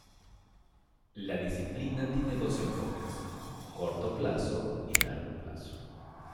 La disciplina tiene dos enfoques: corto plazo y largo plazo.